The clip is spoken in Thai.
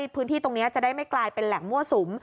พื้นที่ตรงนี้จะได้ไม่กลายเป็นแหล่งมั่วสุม